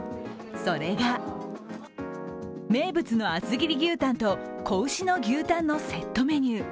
それが名物の厚切り牛タンと仔牛の牛タンのセットメニュー。